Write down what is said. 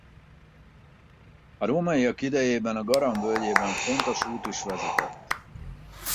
A rómaiak idejében a Garam völgyében fontos út is vezetett.